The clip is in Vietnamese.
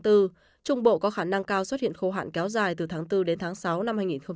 trung bộ có khả năng cao xuất hiện khô hạn kéo dài từ tháng bốn đến tháng sáu năm hai nghìn hai mươi